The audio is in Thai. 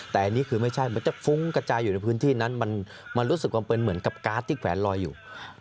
แต่อันนี้คือไม่ใช่มันจะฟุ้งกระจายอยู่ในพื้นที่นั้นมันรู้สึกว่าเป็นเหมือนกับการ์ดที่แขวนลอยอยู่